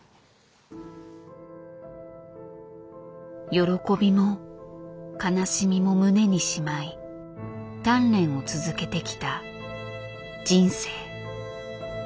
喜びも悲しみも胸にしまい鍛錬を続けてきた人生。